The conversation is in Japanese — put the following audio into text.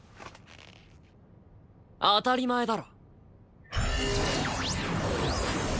当たり前だろ。